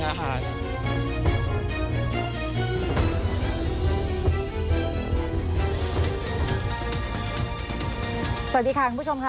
สวัสดีค่ะคุณผู้ชมค่ะ